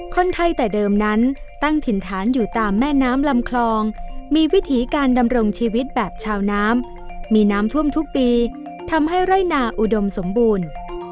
คนไทยแต่เดิมนั้นตั้งถิ่นฐานอยู่ตามแม่น้ำลำคลองมีวิถีการดำรงชีวิตแบบชาวน้ำมีน้ำท่วมทุกปีทำให้ไร่นาอุดมสมบูรณ์